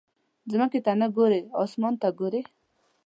ځمکې ته نه ګورې، اسمان ته ګورې.